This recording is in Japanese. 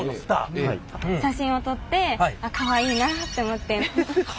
写真を撮ってあっかわいいなって思って。